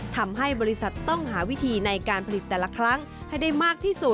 ทำให้บริษัทต้องหาวิธีในการผลิตแต่ละครั้งให้ได้มากที่สุด